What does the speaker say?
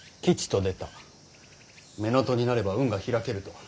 乳母父になれば運が開けると。